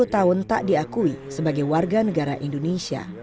empat puluh tahun tak diakui sebagai warga negara indonesia